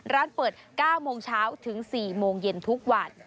ร้านเปิด๙โมงเช้าถึง๔โมงเย็นทุกวัน